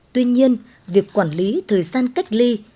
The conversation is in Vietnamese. tuy nhiên việc quản lý thời gian cách ly